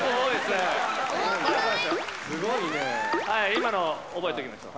今の覚えときましょう。